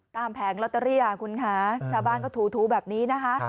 แผงลอตเตอรี่คุณคะชาวบ้านก็ถูแบบนี้นะคะ